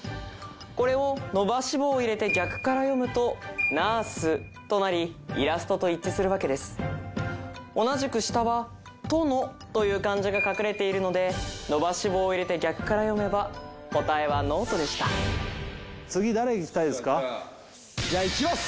これを伸ばし棒を入れて逆から読むとナースとなりイラストと一致するわけです同じく下は「殿」という漢字が隠れているので伸ばし棒を入れて逆から読めば答えはノートでしたじゃあいきます！